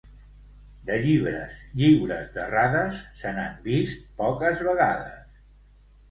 De llibres lliures d'errades, se n'han vist poques vegades.